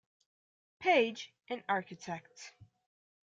Page, an architect.